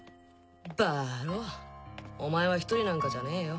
バロお前は１人なんかじゃねえよ。